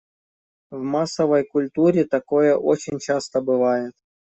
В массовой культуре такое очень часто бывает.